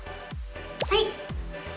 はい。